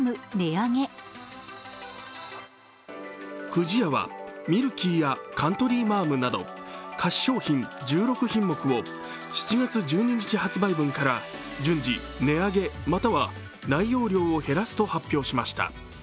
不二家は、ミルキーやカントリーマアムなど菓子商品１６品目を７月１２日発売分から順次、値上げ、または内容量を減らすと発表しました。